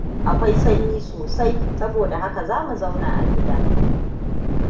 Akwai sanyi sosai, saboda haka za mu zauna a gida.